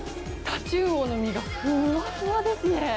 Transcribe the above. タチウオの身がふっわふわですね。